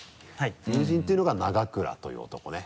友人というのが永倉という男ね。